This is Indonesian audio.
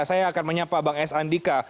saya akan menyapa bang s andika